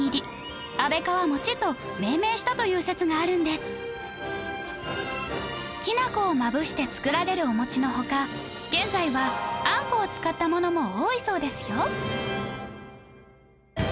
正解は江戸時代徳川家康がきな粉をまぶして作られるお餅の他現在はあんこを使ったものも多いそうですよ